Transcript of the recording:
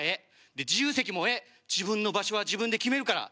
で自由席もええ自分の場所は自分で決めるから。